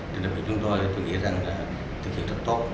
thì chúng tôi nghĩ rằng là thực hiện rất tốt